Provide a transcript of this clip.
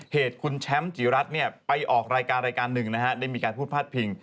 เหตุคุณแชมป์จิรัตน์ไปออกรายการรายการหนึ่งนะฮะได้มีการพูดพาดพิง